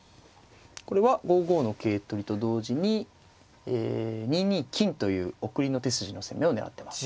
これは５五の桂取りと同時に２二金という送りの手筋の攻めを狙ってます。